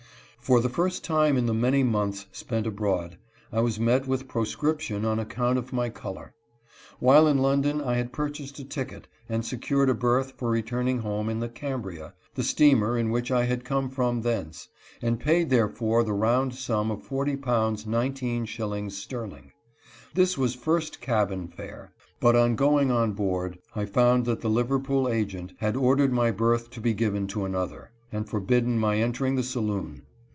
For the first time in the many months spent abroad I was met with proscription on account of my color. While in London I had purchased a ticket and secured a berth for returning home in the Cambria — the steamer in which I had come from thence — and paid therefor the round sum of forty pounds nineteen shillings sterling. This was first cabin fare ; but on going on board I found that the Liver pool agent had ordered my berth to be given to another, and forbidden my entering the saloon.